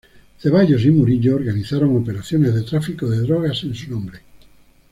Ceballos y Murillo organizaron operaciones de tráfico de drogas en su nombre.